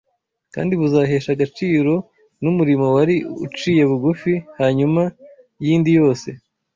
kandi buzahesha agaciro n’umurimo wari uciye bugufi hanyuma y’indi yose